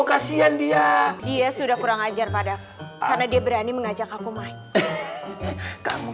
kasian dia dia sudah kurang ajar pada karena dia berani mengajak aku main kamu